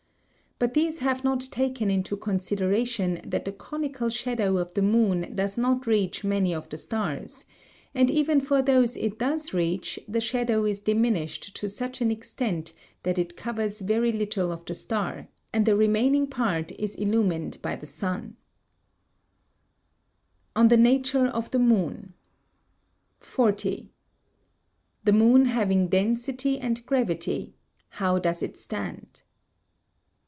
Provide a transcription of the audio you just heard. But these have not taken into consideration that the conical shadow of the moon does not reach many of the stars, and even for those it does reach the shadow is diminished to such an extent that it covers very little of the star, and the remaining part is illumined by the sun. [Sidenote: On the Nature of the Moon] 40. The moon having density and gravity, how does it stand?